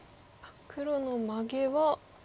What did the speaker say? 黒のマゲは。